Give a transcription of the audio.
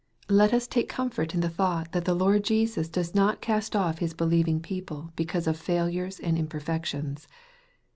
313 Let us take comfort in the thought that the Lord Jesus does not cast off his believing people because of failures and imperfections.